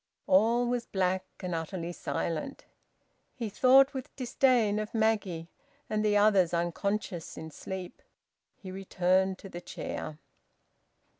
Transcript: All was black and utterly silent. He thought with disdain of Maggie and the others unconscious in sleep. He returned to the chair.